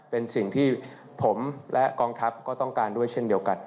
เป็นสิ่งที่ผมและกองทัพก็ต้องการด้วยเช่นเดียวกัน